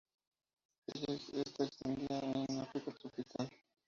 Está extendida en el África tropical.